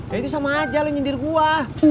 ya itu sama aja lu nyindir gua